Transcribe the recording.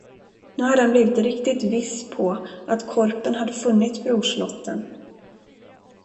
Nu hade han blivit riktigt viss på att korpen hade funnit brorslotten.